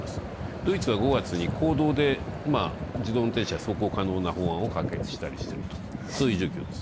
ドイツは５月に公道で自動運転車走行可能な法案を可決したりしていると、そういう状況です。